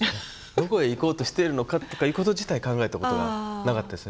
どこへ行こうとしてるのかとかいうこと自体考えたことがなかったですね。